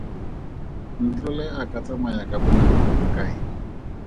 Ntlole a ka tsamaya ka bonako jo bokae?